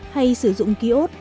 hay sử dụng ký ốt tự đăng ký